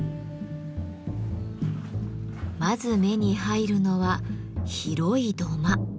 まず目に入るのは広い土間。